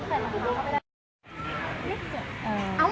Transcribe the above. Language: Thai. ทุกวันใหม่ทุกวันใหม่